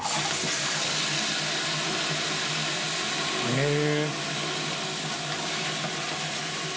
へえ。